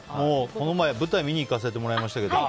この前、舞台見に行かさせてもらいましたけど。